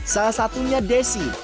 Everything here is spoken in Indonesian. salah satunya desi